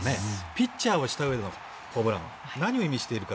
ピッチャーをしたうえでのホームラン何を意味しているか。